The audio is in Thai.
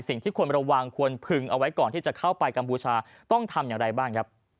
สิ่งที่ควรระวังควรพึงเอาไว้ก่อนที่จะเข้าไปกัมพูชาต้องทำอย่างไรบ้างครับ